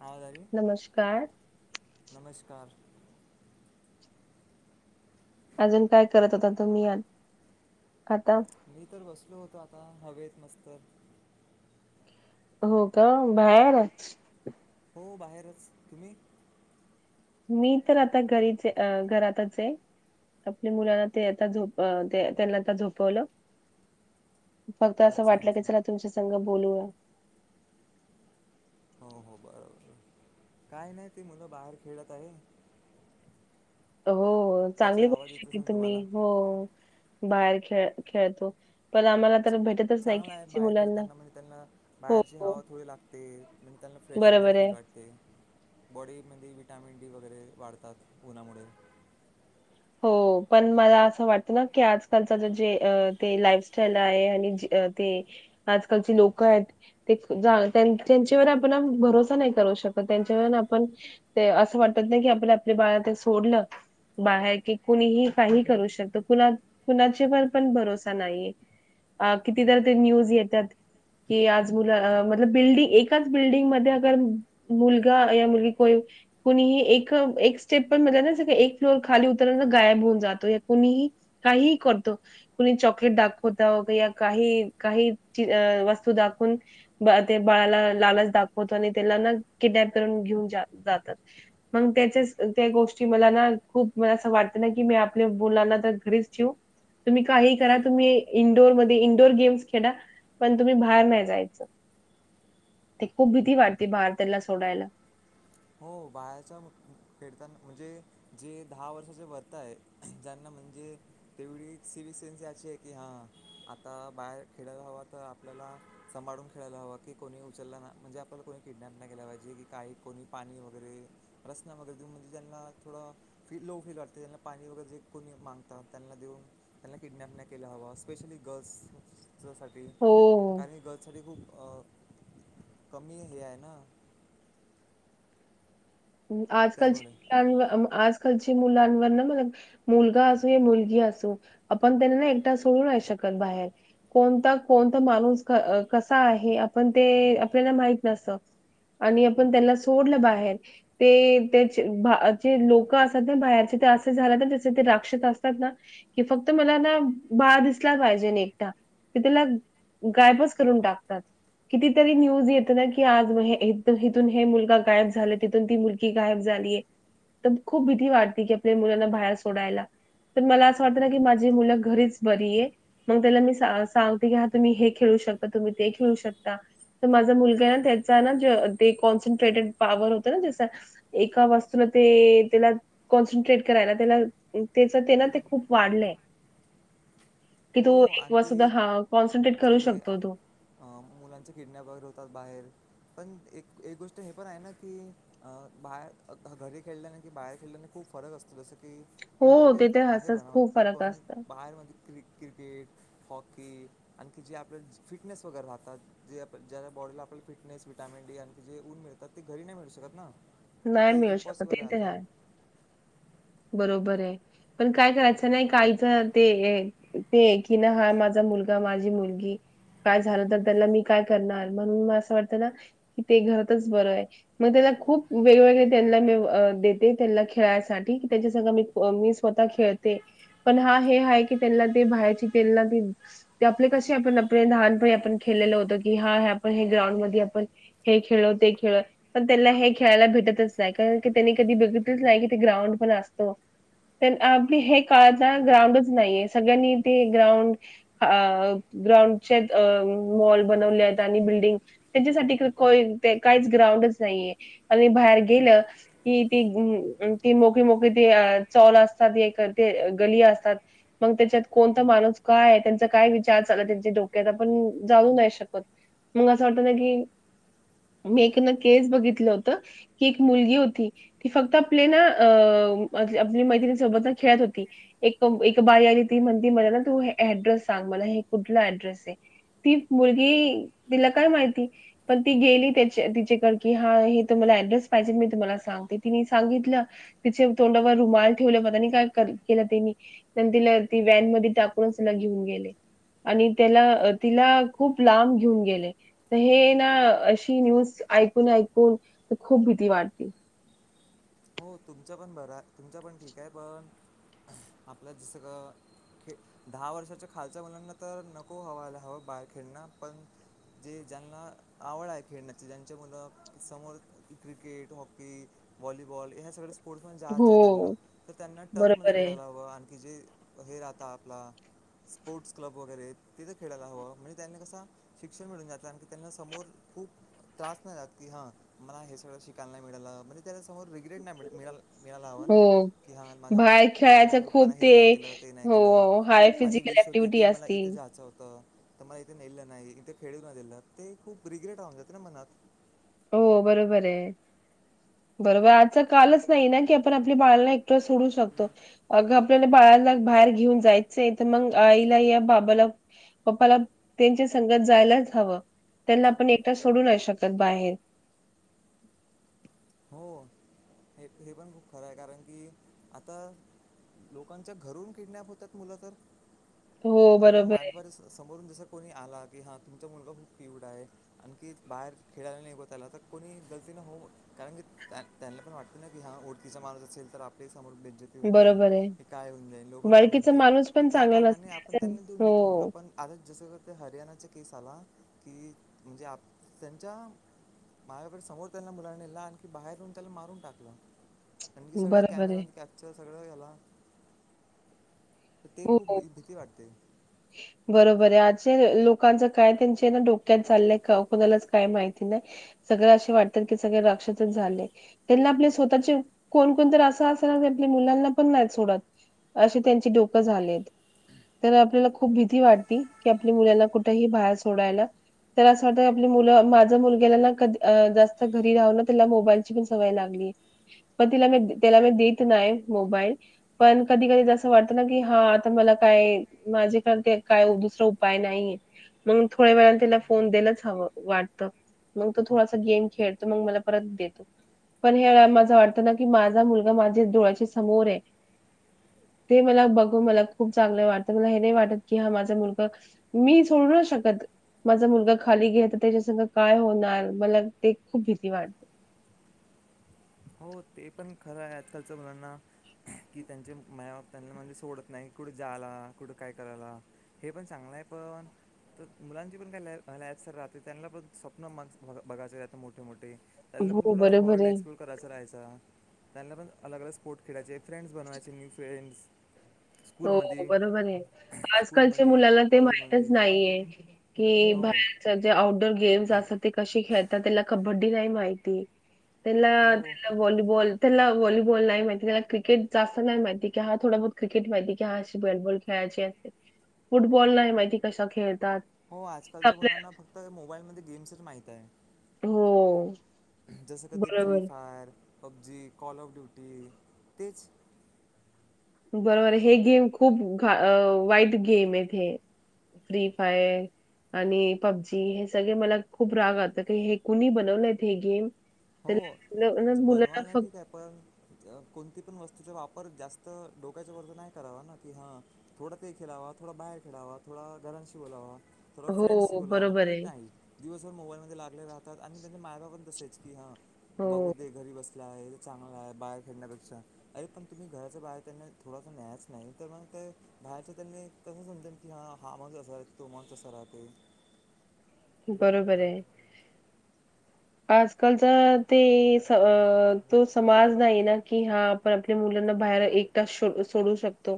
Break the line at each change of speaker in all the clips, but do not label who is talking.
आवाज आली
नमस्कार
नमस्कार
अजून काय करत होता तुम्ही आत
मी तर बसलो होतो हवेत मस्त
हो का बाहेरच
हो बाहेरच तुम्ही
मी तर आता घरीचे अ घरातच आहे आपल्या मुलांना ते आता झोप त्यांना आता झोपवलं फक्त असं
अच्छा
वाटलं की
अच्छा
चला तुमचा संघ बोलूया
हो हो बरो बर काय नाही ते मुलं बाहेर खेळत आहे
हो चांगली
त्याचा
करू
आवाज येत
शकली
असेल
तुम्ही
तुम्हाला
हो बाहेर खेळ खेळतो पण आम्हाला तर भेटतच नाही
चांगला आहे
खेळची
बाहेर
मुलांना
खेळताना म्हणजे त्यांना
हो
बाहेरची
हो
हवा थोडी लागते म्हणजे त्यांना फ्रेश वगैरे
बरोबर आहे
फील वाटते. बॉडी विटॅमिन डी वगैरे वाढतात उनामुळे
हो पण मला असं वाटलं की आजकालच जे अ ते लाईफ स्टाईल आहे आणि जे ते आजकालची लोक आहेत ते जा त्यांच्यावर आपण भरोसा नाही करू शकत त्यांच्यावर आपण ते असं वाटत ना की आपण आपले बाळा ते सोडलं बाहेर कि कुणीही काहीही करू शकत कुणा कुणाच्यावर पण भरोसा नाहीये अ किती तर ते न्यूज येत्यात की आज मुल अ मतलब बिल्डिंग एकाच बिल्डिंग मध्ये अगर मुलगा या मुलगी कोई कुणीही एक एक स्टेप पण म्हणजे असं की एक फ्लोर खाली उतर तर हे ना गायब होऊन जातो कुणीही काहीही करतो कुणी चॉकलेट दाखवत या काही काही चीज वस्तू दाखवून ते बाळाला लालच दाखवतो आणि त्याला ना किडनॅप करून घेऊन जात जातात मग त्याच्या त्या गोष्टी मला ना खूप मला असं वाटत ना की मी आपल्या मुलांना तर घरीच ठेवू तुम्ही काही करा तुम्ही इंडोर मध्ये इंडोअर गेम्स खेडा पण तुम्ही बाहेर नाही जायच ते खूप भीती वाटते बाहेर त्याला सोडायला.
हो बाहेरच्या मु खेडताना म्हणजे जे दहा वर्षाचे वरत आहे ज्यांना म्हणजे तेवढी सिवी सेन्सी अशी आहे की हां आता बाहेर खेडायला हवा तर आपल्याला सांभाळून खेळायला हवां की कोणी उचलला ना म्हणजे आपल्याला कोणी किडनॅप नाही केला पाहिजे की काही कोणी पाणी वगैरे रसना वगैरे देऊन म्हणजे ज्यांना थोडं फील लो फील वाटते त्यांना पाणी वगैरे जे कोणी मांगतात त्यांना देऊन त्यांना किडनॅप नाही केला हवा स्पेशली गर्ल्स साठी
हो.
कारण की गर्ल्स साठी खूप अ कमी हे आहे ना.
आजकाल ची
त्यामुळे
मुलांना अ आज आताच्या मुलांवर ना मला मुलगा असू या मुलगी असू आपण त्यांना ना एकटा सोडू नाही शकत बाहेर कोणता कोणता माणूस कसा आहे आपण ते आपल्याला माहित नसत आणि आपण त्यांना सोडलं बाहेर. ते त्या जे बाहे चे लोक असत ना बाहेरचे ते असे झालेत ना त्याचे ते राक्षस असतात ना कि फक्त मला ना बाळ दिसला पाहिजे न एकटा ते त्याला गायबच करून टाकतात कितीतरी न्यूज येत ना की आज मूल इथून हे मुलगा गायब झाला तिथ इथून ती मुलगी गायब झालीय तर खूप भीती वाटते की आपल्या मुलांना बाहेर सोडायला तर मला असं वाटतं ना की माझी मुलं घरीच बरी आहे मग त्याला मी सांगते की हा तुम्ही हे खेळू शकता तुम्ही ते खेळू शकता तर माझा मुलगा आहे ना त्याचा ना ते कॉन्सन्ट्रेटेड पॉवर होत. ते ना असं एका वस्तूला ते त्याला कॉनसन्ट्रेट करायला त्याला त्याच ते ना ते खूप वाढलंय की तो
हो
एक
आणखी
वस्तू हां, कॉन्सन्ट्रेट करू
जे
शकतो तो.
मुलांचे किडनॅप वगैरे होतात बाहेर पण एक एक गोष्ट हे पण आहे ना की अ बाहेर घरी खेळल्याने कि बाहेर खेळल्याने खूप फरक असतो जस की. की
हो,
इंडोर गेम
ते
तर आहे
असंच
बघ
खूप
भरपूर
फरक
पण
असतं.
बाहेर म्हणजे क्रिक क्रिकेट हॉकी आणखी जे आपल्या फिटनेस वगैरे राहतात जे ज्या बॉडीला आपल्याला फिटनेस विटामिन डी आणखी जे ऊन मिळतात ते घरी नाही मिळू शकत ना.
नाही
तिथे
मिळू शकत
इम्पॉसिबल
ते तर
आता
आहे. बरोबर आहे पण काय करायचं नाही काहीच ते ते कि ना हा माझा मुलगा माझी मुलगी काय झालं तर त्याला मी काय करणार म्हणून असं वाटतं ना की ते घरातच बर आहे मग त्याला खूप वेगवेगळे त्यांना मी अ देते त्यांना खेळायसाठी की त्याच्या संग मी मी स्वतः खेळते पण हा हे हाय की त्यांना ते बाहेरची त्यांना ते आपले कसे आपण आपले लहानपणी आपण खेळलेलं होतं की हा आपण हे ग्राउंड मध्ये आपण हे खेळलो ते खेळल पण त्यां हे खेळायला भेटतच नाही कारण की त्यांनी कधी बघितलंच नाही की ते ग्राउंड पण असतो आपले हे काळात ना ग्राउंडच नाहीय सगळ्यांनी ते ग्राउंड अ ग्राउंडचे मॉल बनवले आहेत आणि बिल्डिंग त्यांच्यासाठी ते काहीच ग्राउंडच नाहीय आणि बाहेर गेलं की ती ती मोकळी मोकळी ते चौल असतात एक ते गली असतात मग त्याच्यात कोणता माणूस काय आहे त्यांचा काय विचार चाल त्यांच्या डोक्यात आपण जाणु नाही शकत मग असं वाटत ना की मी एक ना केस बघितल होत. की एक मुलगी होती ती फक्त आपले ना अ आपली मैत्रिणी सोबत खेळत होती एक एक बाई आली ती म्हणली मला ना तू ऍड्रेस सांग मला हे कुठला ऍड्रेस आहे ती मुलगी तिला काय माहिती पण ती गेली त्या तिच्याकड कि हा आ तर मला ऍड्रेस पाहिजे मी तुम्हाला सांगते तिने सांगितलं तिचे तोंडावर रुमाल ठेवलं पता नही काय करल केल तेनी तिला ती वॅन मध्ये टाकूनच तिला घेऊन गेले आणि त्याला तिला खूप लांब घेऊन गेले तर हे ना अशी न्यूज ऐकून ऐकून तर खूप भीती वाटती.
हो तुमच पण बरा तुमच पण ठीक आहे पण आपल्या जस अ दहा वर्षाच्या खालच्या मुलांना तर नको हवाला हवं बार खेळणं पण जे ज्यांना आवड आहे खेळण्याची ज्यांचे मुलं समोर क्रिकेट हॉकी वॉलीबॉल बॉल ह्या सगळं. स्पोर्ट्स मध्ये जायचं आहे त्यांनला
हो.
तर त्यांना टर्फ मध्ये
बरोबर आहे.
खेळायला हवं आणखी जे. अ हे राहता आपला स्पोर्ट्स क्लब वगैरे तिथं खेडायला हवं म्हणजे त्यांनी कसा शिक्षण मिळून जात आण की त्यांना समोर खूप त्रास नाही रहात की हा मला हे सगळं शिकायला नाही मिळालं म्हणजे त्याला समोर रिग्रेट नाही मिळा मिळाला मिळायला हवं ना
हो.
की हां माझ्या
बाहेर
माझ्या
खेळायचं
मम्मी पप्पाना
खूप
हे
ते
नाही केलं ते नाही केलं
हो, हाय
माझी
फिजिकल
विश होती
ॲक्टिव्हिटी
की मला
असती.
इथे जायचं होतं. त मला इथे नेल नाही इथे खेळू नाही दिलं ते खूप रिग्रेट राहून जाते ना मनात
हो बरोबर आहे बरोबर आजचा कालच नाही ना की आपण आपल्या बाळाला एकटा सोडू शकतो अग आपल्याला बाळाला बाहेर घेऊन जायचंय तर मग आईला या बाबाला पप्पाला त्यांच्या संगत जायलाच हवं त्यांना आपण एकट सोडू नाही शकत बाहेर.
हो हे हे पण खूप खरं आहे कारण की आता लोकांच्या घरून किडनॅप होतात मुलं तर
हो,
आपल्या
बरोबर आहे.
मॅप वर जसं समोरून जसं कोणी आला की हां तुमचा मुलगा खूप क्यूट आहे आणखी बाहेर खेळायला नाही बा त्याला तर कोणी गलती न होऊ कारण की त्या त्यांना पण वाटत ना की हा ओडखीचा माणुस असेल तर आपलेच. समोर बेज्जती होऊन जाईन
बरोबर आहे.
हे काय होऊन जाईन लोक काय
वळकीचा
म्हणतील
माणूस
तर
पण
त्या
चांगला
कारणाने आपण
नसते
त्यांना देऊन देतो म्हणून
हो
आपण आता जसं हरियाणाचे केस आला की म्हणजे आप त्यांच्या माझ्याकडे समोर त्यांना मुलांनी नेला आणखी बाहेर येन त्याला मारून टाक आणखी सगळ
बरोबर आहे
कॅमेरा म कॅप्चर सगळं घला तर ते
हो
खूप
हो
भीती वाटते
लोकांच काय त्यां ना डोक्यात झाय कोणाला काय माहिती नाही सगळ असे वाटतात की सगळे रक्षच झाले त्यांना आपले स्वतःचे कोणकणत असं अस ना आपल्या मुलांना पण नाही सोडत अस त्यांचीडक तर आपल्याला खूप भीती वाटती की आपल्या मुलांना कुठेही बाहेर सोडायला तर असं वाटत आप मु माझ मुलगला नाधी जास्त घरी राह ना त्याला मोबाईलची पण सवय लागली पण तिला त्याला म देत नाही मोबाईल पण कधी कधी ज वाट की हा आता मला काय माझ्याक काय दुसरा उपाय नाहीये मग थोड्या वेळाने त्याला फोन दलाच हवं वाटत मग तो थोडासा गेम खेळतो म मला परत देतो पण हे माझ वाटतं ना की माझा मुलगा माझ्या डोळ्याच्या समोर आहे ते मला बघून मला खूप चांगलं वाटतं मला हे नाही वाटत की हा माझा मुलग मी सोडूच शकत माझा मुलग खाली घे तर त्याच्यास काय होणार मला ते खूप भीती वाटते
हो ते पण खरं आहे आजकालचं मुलांना की त्यांचे मायाबाप त्यांना म्हणजे सोडत नाही कुठे जायला कुठं काय करायला हे पण चांगलं आहे पण तर मुलांची पण काय लायतसर राहते त्यांना पण स्वप्न मग बघायचंतं मोठे मोठे त्यांना पण
हो
थोडा
बरोबर
वर्ल्ड
आहे
एक्सप्लोर करायचा पण अलग अलग स्पोर्ट खेळायचे फ्रेड्स बवायचे न्यू फ्रें्स
हो बरोबर आहे आजकालच्या
स्कूलमध्ये
मुलांना ते माहितच
कॉलेजमध्ये
नाहीये की
हो
बाहे जे आउटडोर गेम्स असात ते कसे खेळ आता त्याला कबड्डी नाही माहिती त्याला
हो
त्याला भॉलबल त्याला वॉलीबॉल नाही माहिती त्याला क्रिकेट जास्त नाही माहिती की ह थों बुत क्रिकेट माहिती कशी बॅटबॉल खेळायची फुटबॉल नाही माहिती कसा खेळत
हो आजकालच्या मुलांना फक्त मोबाईल म गेम्स क मातीित
हो,
आहे जसं कधी फ्री
बरोबर.
Fire PUBG call of duty तेच
बरोबर हे गेम खूप घा वाईट गेम आहेत हे फ्री फायर आणि पबजी हे सगळे मला खूप राग अल्त हे कुणी बनवलंत हे गेम
हो
त्याला ना मुलांना
बनवायला ठीक
फक्त
आहे पण कोणती पण वस्तूचा वापर पर जास्त डोक्याच्या वरज नाही करावा ना की हां थोडं ते खेळावा थोडं बाहेर खेळावा थोडा घरांशी बोलावा थोड फ्रेंडसि
हो
बोलावं
बरोबर
पण
आहे.
नाही दिवसभर मोबाईल मध्ये लाग आपले राहतात आणि त्यांचे मागा पण तसेच की हां बघू
हो,
दे घरी बसते गल चांगला आहे बाहेर खेळण्यापेक्षा अरे पण तुम्ही घराच्या बाहेर त्यांना थोडासा न्यायच नाही तर मग बाहेरच्या त्यांनी कस समजेल की ह हा माणस असा राह तो माणस अस राहते
बरोबर आहे आजकालचा ते स तो समाज नाहीय ना की हा आपण आपल्या मुलांना बाहेर एकटा शो सोडू शकतो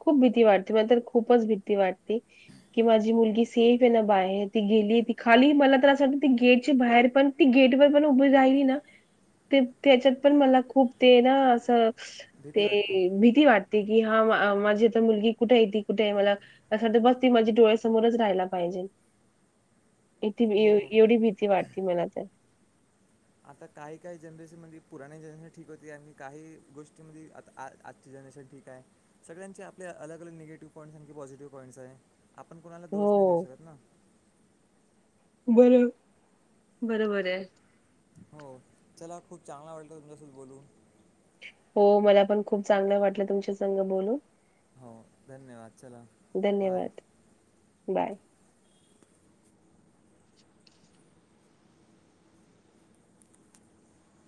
खूप भीती वाटते मला तर खूपच भीती वाटते की माझी मुलगी सेफ आहे ना बाहेर ती गेली ती खाली मला तर असं वाटत ती गेट बाहेर पण ती गेट वर पण उभी राहिली ना ते त्याच्यात पण मला खूप ते ना असं
भीती
ते
वाटते
भीती वाटती कि हा मा माझी आता मुलगी कुठे आहे ती कुठे आहे मला असं बस ती माझी डोळ्यासमोरच राहायला पाहिजे इथे
हो
एवढी भीती वाटती मला तर
आता काही काही जनरेशन म पुराणे जनरेशन ठीक होते आणि काही गोष्टी म आ आजची जनरेशन ठीक आहे सगळ्यांचे आपले अलग अलग निगेटिव्ह पॉईंट्स आणखी पॉझिटिव्ह पॉइंट्स आहे आपण कोणाला दोष नाही देऊ
हो.
शकत ना
बर बरोबर आहे
हो चला खूप चांगला वाटत तुमच्यासोबत बोलून
हो मला पण खूप चांगलं वाटलं तुमच्या संघ बोलून
हो धन्यवाद चला बाय
धन्यवाद. बाय